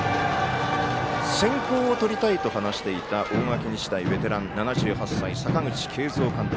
先行を取りたいと話していた大垣日大、ベテラン７８歳、阪口慶三監督。